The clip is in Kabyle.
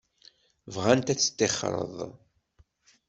Bɣant ad teṭṭixreḍ.